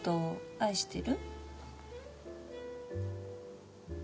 愛してる。